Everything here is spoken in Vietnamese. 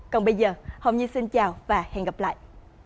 còn bây giờ hồng nhi xin chào và hẹn gặp lại